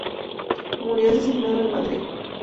Murió asesinado en Madrid.